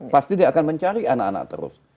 pasti dia akan mencari anak anak terus